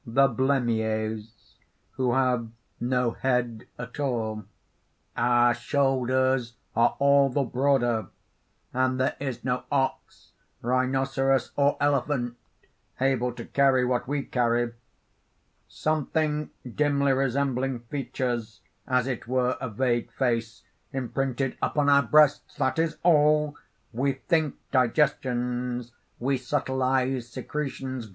THE BLEMMYES (who have no head at all): "Our shoulders are all the broader; and there is no ox, rhinoceros, or elephant able to carry what we carry. "Something dimly resembling features as it were a vague face imprinted upon our breasts: that is all! We think digestions; we subtleize secretions.